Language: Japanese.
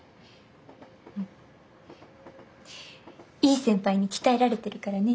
いい先輩に鍛えられてるからね。